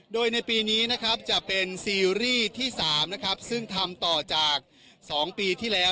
โดยในปีนี้จะเป็นซีรีส์ที่๓ซึ่งทำต่อจาก๒ปีที่แล้ว